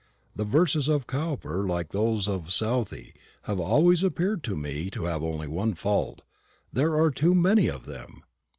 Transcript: The verses of Cowper, like those of Southey, have always appeared to me to have only one fault there are too many of them.